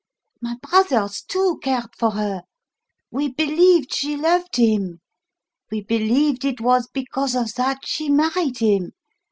My brothers, too, cared for her. We believed she loved him; we believed it was because of that she married him.